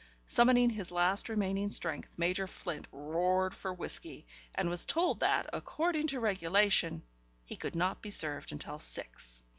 Summoning his last remaining strength Major Flint roared for whisky, and was told that, according to regulation, he could not be served until six.